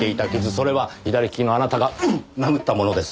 それは左利きのあなたが殴ったものです。